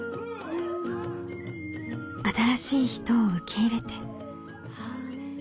新しい人を受け入れて。